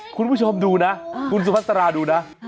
คุณผู้ชมดูนะคุณสุภาษาราดูนะ